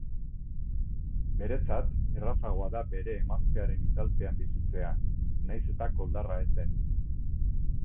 Beretzat errazagoa da bere emaztearen itzalpean bizitzea, nahiz eta koldarra ez den.